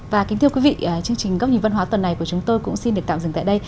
và kính thưa quý vị chương trình góc nhìn văn hóa tuần này của chúng tôi cũng xin được tạm dừng tại đây